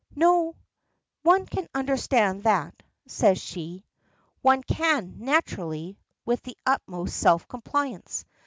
"No. One can understand that," says she. "One can, naturally," with the utmost self complaisance.